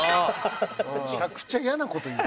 めちゃくちゃ嫌な事言う。